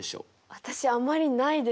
私あんまりないですね。